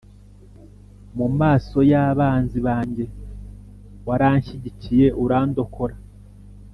Mu maso y’abanzi banjye waranshyigikiye, urandokora.